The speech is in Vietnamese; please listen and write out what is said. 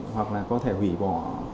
hoặc là có thể hủy bỏ